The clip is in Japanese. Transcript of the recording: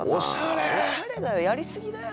おしゃれだよやりすぎだよ。